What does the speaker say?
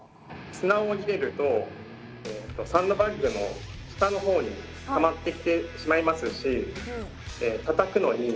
砂を入れるとサンドバッグの下のほうにたまってきてしまいますしたたくのに固くなりすぎるんですね。